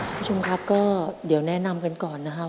คุณผู้ชมครับก็เดี๋ยวแนะนำกันก่อนนะครับ